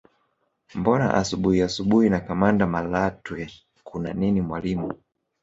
Mbona asubuhi asubuhi na kamanda Malatwe kuna nini mwalimu